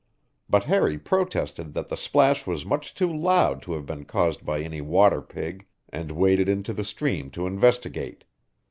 But Harry protested that the splash was much too loud to have been caused by any water pig and waded into the stream to investigate.